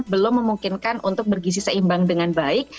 belum memungkinkan untuk bergisi seimbang dengan baik